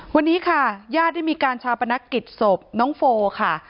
วันนี้ค่ะญาติได้มีการชาปนักกิจศพน้องโฟค่ะ